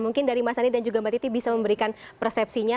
mungkin dari mas andi dan juga mbak titi bisa memberikan persepsinya